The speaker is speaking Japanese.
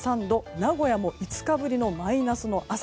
名古屋も５日ぶりのマイナスの朝。